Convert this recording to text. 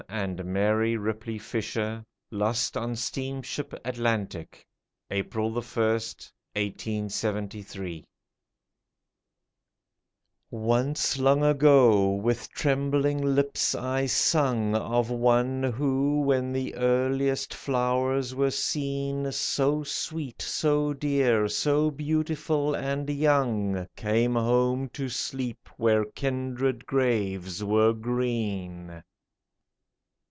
and Mary Ripley Fisher, lost on steamship Atlantic, April I, 1873.] Once, long ago, with trembling lips I sung Of one who, when the earliest flowers were seen, So sweet, so dear, so beautiful and young, Came home to sleep where kindred graves were green.